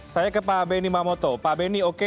saya ke pak benny mamoto pak beni oke